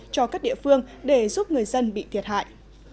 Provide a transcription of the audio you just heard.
cho các địa phương để giúp người dân bị thiệt hại